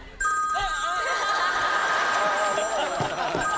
ああ！